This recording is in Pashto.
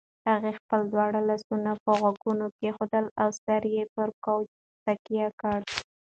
هغې خپل دواړه لاسونه پر غوږونو کېښودل او سر یې پر کوچ تکیه کړ.